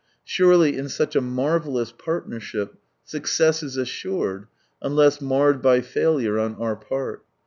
Surely in such a marvellous Partnership, success Is assured, unless marred by failure on our part.